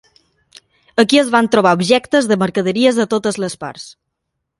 Aquí es van trobar objectes de mercaderies de totes les parts.